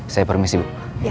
saya permisi bu